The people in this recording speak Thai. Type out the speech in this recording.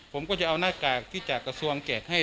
ผมก็จะเอาหน้ากากที่จากกระทรวงเกรดให้